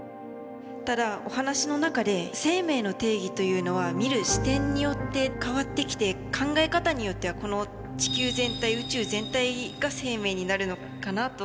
ただお話の中で生命の定義というのは見る視点によって変わってきて考え方によってはこの地球全体宇宙全体が生命になるのかなと。